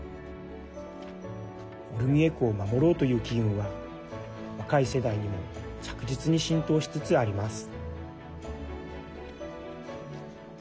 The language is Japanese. オルミエ湖を守ろうという機運は若い世代にも着実に浸透しつつあります。